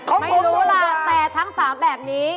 ของผมถูกกว่าไม่รู้ล่ะแต่ทั้ง๓แบบนี้